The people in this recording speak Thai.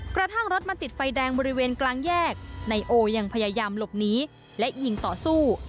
กระทั่งรถมาติดไฟแดงบริเวณกลางแยกนายโอยังพยายามหลบหนีและยิงต่อสู้